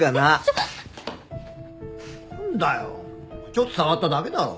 ちょっと触っただけだろ？